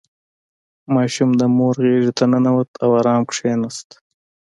• ماشوم د مور غېږې ته ننوت او آرام کښېناست.